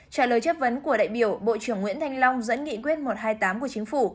trả lời chất vấn của đại biểu bộ trưởng nguyễn thanh long dẫn nghị quyết một trăm hai mươi tám của chính phủ